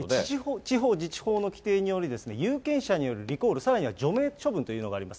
地方自治法の規定により、有権者によるリコール、さらには除名処分というのがあります。